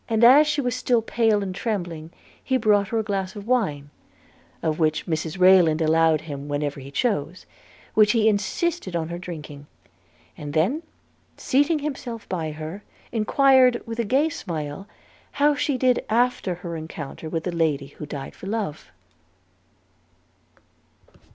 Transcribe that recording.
As she was still pale and trembling, he brought her a glass of wine (of which Mrs Rayland allowed him whatever he chose), which he insisted on her drinking, and then, seating himself by her, enquired, with a gay smile, how she did after her encounter with the lady who died for love?